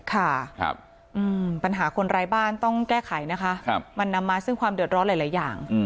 ค่ะปัญหาคนไร้บ้านต้องแก้ไขนะคะมันนำมาซึ่งความเดือดร้อนหลายอย่าง